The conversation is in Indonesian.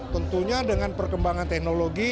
tentunya dengan perkembangan teknologi